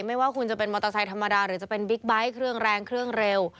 ไม่ว่าคุณจะเป็นมอเตอร์ไซค์ธรรมดาหรือจะเป็นบิ๊กไบท์เครื่องแรงเครื่องเร็ว